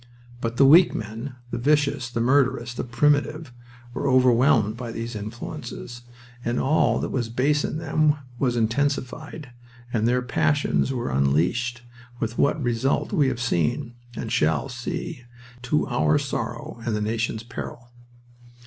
But the weak men, the vicious, the murderous, the primitive, were overwhelmed by these influences, and all that was base in them was intensified, and their passions were unleashed, with what result we have seen, and shall see, to our sorrow and the nation's peril.